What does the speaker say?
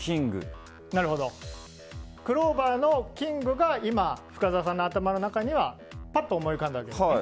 クローバーのキングが今、深澤さんの頭の中にはぱっと思い浮かんだわけですね。